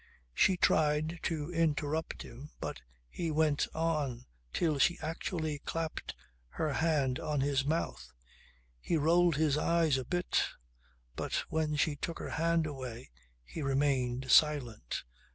She tried to interrupt him but he went on till she actually clapped her hand on his mouth. He rolled his eyes a bit but when she took her hand away he remained silent.